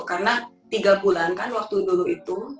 karena tiga bulan kan waktu dulu itu